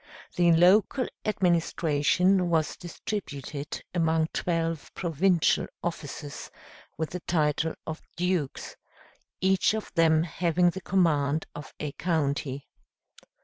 The local administration was distributed among twelve provincial officers, with the title of Dukes, each of them having the command of a county.